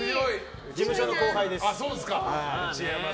事務所の後輩です。